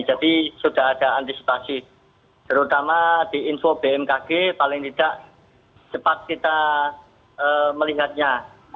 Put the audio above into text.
jadi sudah ada antisipasi terutama di info bmkg paling tidak cepat kita melihatnya